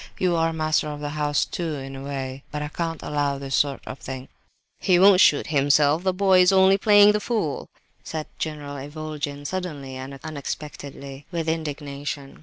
You are master of the house too, in a way; but I can't allow this sort of thing—" "He won't shoot himself; the boy is only playing the fool," said General Ivolgin, suddenly and unexpectedly, with indignation.